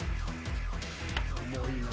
重いな。